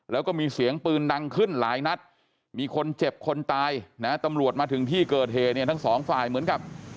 แล้วก็มีเสียงปืนดังขึ้นหลายนัดมีคนเจ็บคนตายนะตำรวจมาถึงที่เกิดเหตุเนี่ยทั้งสองฝ่ายเหมือนกับ